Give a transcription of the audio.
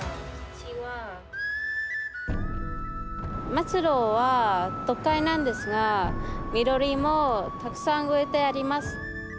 松戸は都会なんですが緑もたくさん植えてあります。